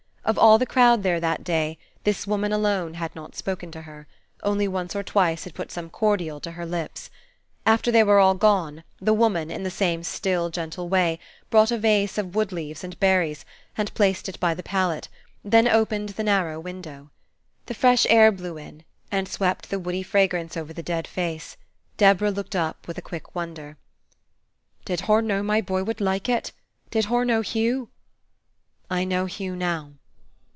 Of all the crowd there that day, this woman alone had not spoken to her, only once or twice had put some cordial to her lips. After they all were gone, the woman, in the same still, gentle way, brought a vase of wood leaves and berries, and placed it by the pallet, then opened the narrow window. The fresh air blew in, and swept the woody fragrance over the dead face, Deborah looked up with a quick wonder. "Did hur know my boy wud like it? Did hur know Hugh?" "I know Hugh now."